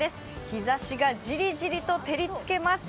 日ざしがじりじりと照りつけます。